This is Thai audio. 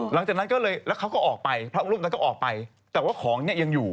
หลังจากนั้นก็เลยแล้วเขาก็ออกไปพระรูปนั้นก็ออกไปแต่ว่าของเนี่ยยังอยู่